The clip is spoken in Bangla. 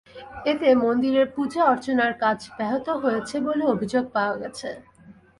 এতে মন্দিরের পূজা অর্চনার কাজ ব্যাহত হচ্ছে বলে অভিযোগ পাওয়া গেছে।